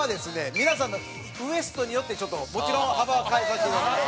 皆さんのウエストによってちょっともちろん幅は変えさせていただきます。